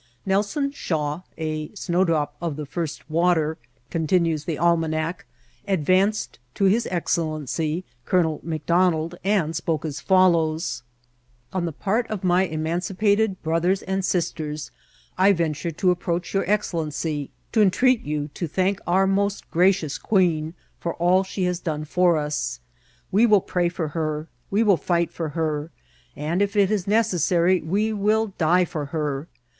Nelson Schaw, <^ a snowdrop of the first water," continues the Ahna 16 INCIDIKT8 OF TRATEL. BOO, ^^ advanced to his excellency. Colonel McDonald, and spoke as follows :^ On the part of my emancipa* ted brothers and sisters, I venture to approach your ex cellency, to entreat you to thank our most gracious Queen for all that she has done for us. We will pray for her ; we will fight for her ; and, if it is necessary, we will die for her.